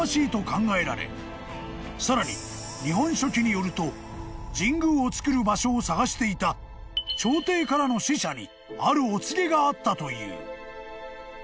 ［さらに『日本書紀』によると神宮を造る場所を探していた朝廷からの使者にあるお告げがあったという］